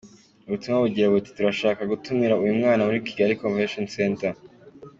Ubu butumwa bugira buti “Turashaka gutumira uyu mwana muri Kigali Convention Centre.